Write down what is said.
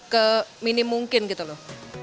ke minim mungkin gitu loh